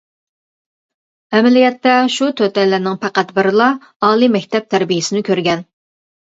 ئەمەلىيەتتە شۇ تۆتەيلەننىڭ پەقەت بىرىلا ئالىي مەكتەپ تەربىيەسىنى كۆرگەن.